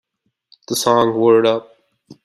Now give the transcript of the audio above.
The song Word Up!